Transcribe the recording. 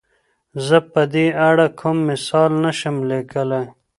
زۀ په دې اړه کوم مثال نه شم ليکلی.